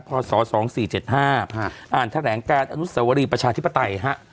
พศสองสี่เจ็ดห้าฮะอ่านแถลงการอนุสาวรีประชาธิปไตยฮะ